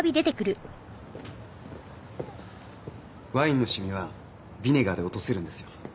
ワインの染みはビネガーで落とせるんですよ。